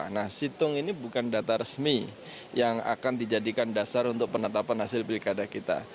nah situng ini bukan data resmi yang akan dijadikan dasar untuk penetapan hasil pilkada kita